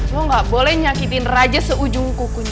gue gak boleh nyakitin raja seujung kukunya